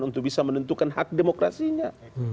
untuk bisa menentukan hak demokrasinya